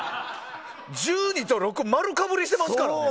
１２と６丸被りしてますから。